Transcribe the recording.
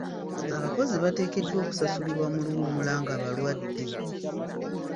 Abakozi bateekeddwa okusasulibwa mu luwummula nga balwadde.